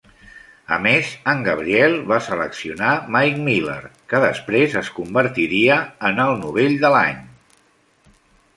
A més, en Gabriel va seleccionar Mike Miller, que després es convertiria en Novell de l"Any.